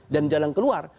dan jalan keluar